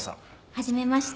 初めまして。